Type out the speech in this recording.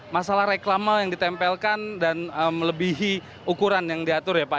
masalah reklama yang ditempelkan dan melebihi ukuran yang diatur ya pak